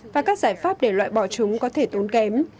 và các giải pháp để loại bỏ chúng có thể tốn kém